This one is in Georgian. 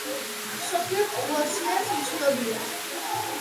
მსოფლიო პოპულაციაც უცნობია.